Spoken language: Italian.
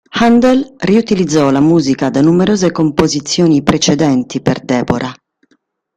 Händel riutilizzò la musica da numerose composizioni precedenti per "Deborah".